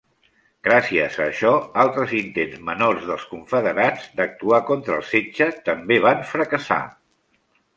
Gràcies a això altres intents menors dels Confederats d'actuar contra el setge també van fracassar.